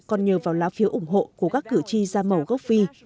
còn nhờ vào lá phiếu ủng hộ của các cử tri da màu gốc phi